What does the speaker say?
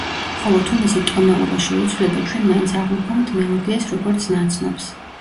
ხოლო თუ მისი ტონალობა შეიცვლება, ჩვენ მაინც აღვიქვამთ მელოდიას როგორც ნაცნობს.